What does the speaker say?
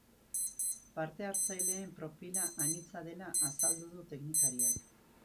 Parte hartzaileen profila anitza dela azaldu du teknikariak.